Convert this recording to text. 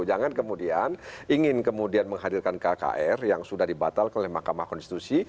jangan kemudian ingin kemudian menghadirkan kkr yang sudah dibatalkan oleh mahkamah konstitusi